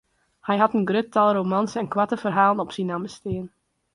Hy hat in grut tal romans en koarte ferhalen op syn namme stean.